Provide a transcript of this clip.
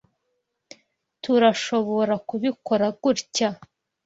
Turashoborakubikora gutya.